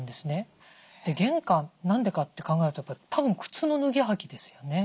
玄関何でかって考えるとたぶん靴の脱ぎ履きですよね。